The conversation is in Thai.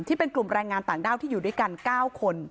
ที่เป็นกลุ่มแรงงานต่างด้าวที่อยู่ด้วยกัน๙คน